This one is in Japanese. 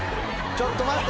ちょっと待って！